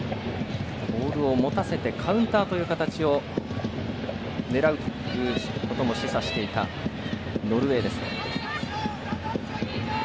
ボールを持たせてカウンターという形を狙うということも示唆していたノルウェーです。